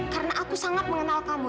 karena aku sangat mengenal kamu